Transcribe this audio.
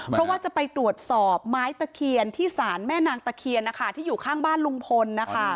เพราะว่าจะไปตรวจสอบไม้ตะเคียนที่ศาลแม่นางตะเคียนนะคะที่อยู่ข้างบ้านลุงพลนะคะ